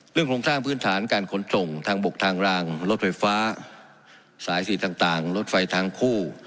โครงสร้างพื้นฐานการขนส่งทางบกทางรางรถไฟฟ้าสายสีต่างรถไฟทางคู่